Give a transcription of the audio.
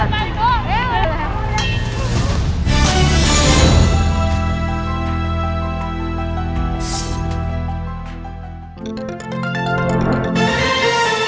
โปรดติดตามตอนต่อไป